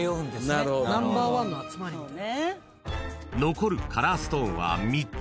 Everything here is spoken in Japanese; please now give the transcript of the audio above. ［残るカラーストーンは３つ］